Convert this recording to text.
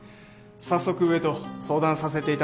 早速上と相談させていただきます。